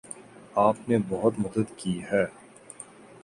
آپ نے بہت مدد کی ہے